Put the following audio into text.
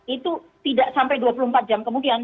itu tidak sampai dua puluh empat jam kemudian